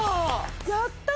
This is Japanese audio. やったー！